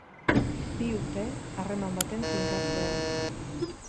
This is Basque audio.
Bi urte, harreman baten finkatzea.